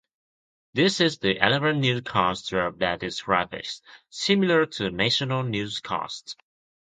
This is the eleventh newscast to update its graphics, similar to the national newscast.